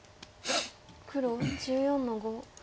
黒１４の五。